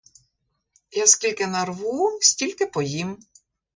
Я скільки нарву, стільки поїм.